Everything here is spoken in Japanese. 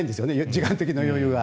時間的な余裕が。